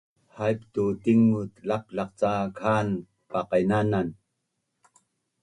Haip tu tingmut laplaq cak han paqaqainan